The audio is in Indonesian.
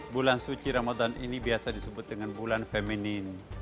bulan suci ramadan ini biasa disebut dengan bulan feminin